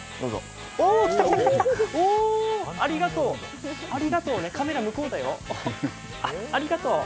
おー、来た来た来た、ありがとうね、カメラ向こうだよ、ありがとう。